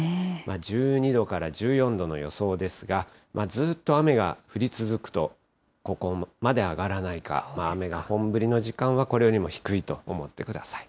１２度から１４度の予想ですが、ずっと雨が降り続くと、ここまで上がらないか、雨が本降りの時間はこれよりも低いと思ってください。